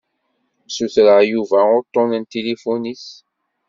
Sutreɣ Yuba uṭṭun n tilifun-is.